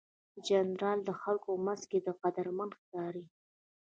جانداد د خلکو منځ کې قدرمن ښکاري.